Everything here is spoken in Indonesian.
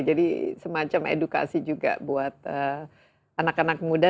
jadi semacam edukasi juga buat anak anak muda